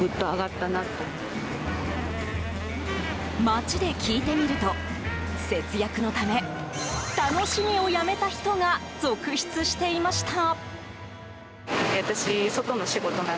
街で聞いてみると節約のため、楽しみをやめた人が続出していました。